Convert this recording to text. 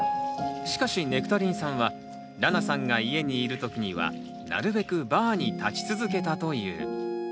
しかしネクタリンさんはらなさんが家にいるときにはなるべくバーに立ち続けたという。